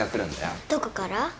どこから？